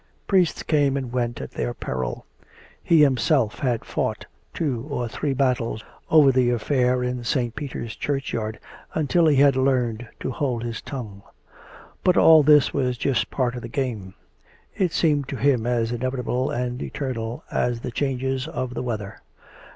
Priests came and went at their 6 COME RACK! COME ROPE! peril. ... He himself had fought two or three battles over the affair in St. Peter's churchyard, until he had learned to hold his tongue. But all this was just part of the game. It seemed to him as inevitable and eternal as the changes of the weather.